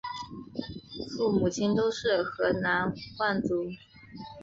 父母亲都是河南望族。